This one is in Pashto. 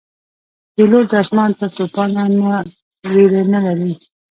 پیلوټ د آسمان له توپانه نه ویره نه لري.